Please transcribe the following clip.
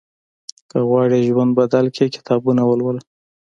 که غواړې ژوند بدل کړې، کتابونه ولوله.